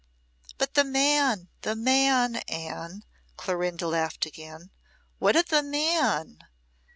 "But the man the man, Anne," Clorinda laughed again. "What of the man?"